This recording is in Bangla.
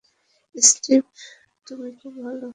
স্টিভ, তুমি খুব ভালো।